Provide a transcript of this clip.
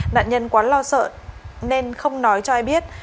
nạn nhân quá lo sợ nên không nói cho ai biết